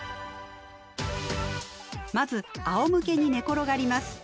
まずあおむけに寝転がります。